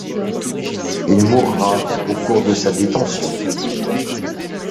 Il mourra au cours de sa détention.